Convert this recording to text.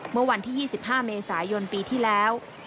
เมื่อวันที่๒๕เมษายนปีที่แล้ว